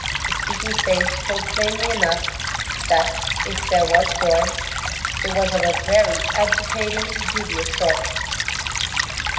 The speaking face told plainly enough that, if there was joy, it was of a very agitating, dubious sort.